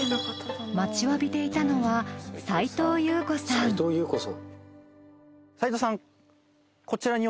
待ちわびていたのは斉藤さん